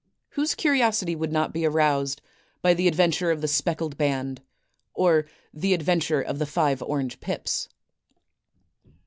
Whose curiosity would not be aroused by "The Adventure of the Speckled Band," or "The Adventure of the Five Orange Pips"?